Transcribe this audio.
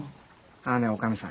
あのね女将さん